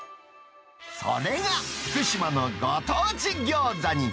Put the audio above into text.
それが福島のご当地餃子に。